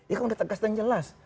ya kan udah tegas dan jelas